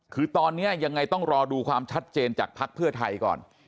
คือตอนนี้ยังไงต้องรอดูความชัดเจนจากภักดิ์เพื่อไทยก่อน